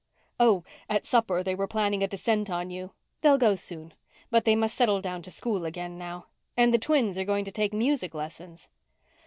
"Oh, at supper they were planning a descent on you. They'll go soon; but they must settle down to school again now. And the twins are going to take music lessons."